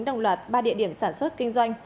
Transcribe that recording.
đồng loạt ba địa điểm sản xuất kinh doanh